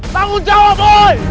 tanggung jawab woy